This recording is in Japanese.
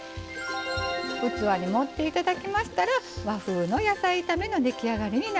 器に盛って頂きましたら和風の野菜炒めの出来上がりになります。